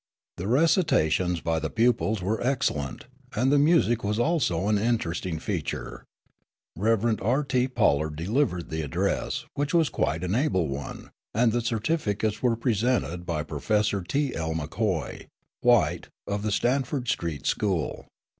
The recitations by the pupils were excellent, and the music was also an interesting feature. Rev. R. T. Pollard delivered the address, which was quite an able one; and the certificates were presented by Professor T. L. McCoy, white, of the Sanford Street School.